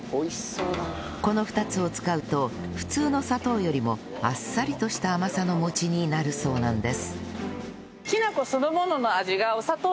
この２つを使うと普通の砂糖よりもあっさりとした甘さの餅になるそうなんです